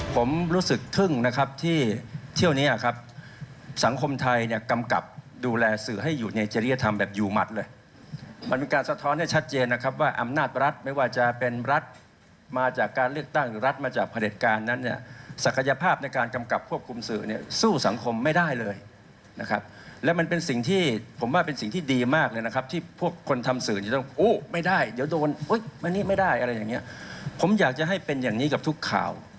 ผมอยากจะให้เป็นอย่างนี้กับทุกข่าว